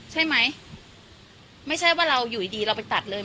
ใช่ไหมไม่ใช่ว่าเราอยู่ดีเราไปตัดเลย